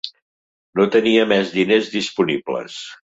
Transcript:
No tenia més diners disponibles.